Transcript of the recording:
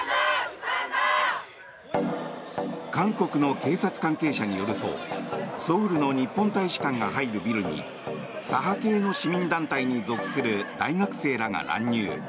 韓国の警察関係者によるとソウルの日本大使館が入るビルに左派系の市民団体に属する大学生らが乱入。